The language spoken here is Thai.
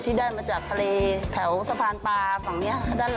ที่ได้มาจากทะเลแถวสะพานปลาฝั่งนี้